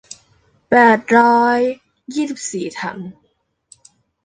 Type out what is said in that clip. แปดร้อยยี่สิบสี่ถัง